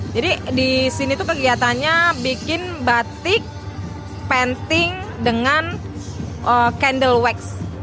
jadi di sini tuh kegiatannya bikin batik panting dengan candle wax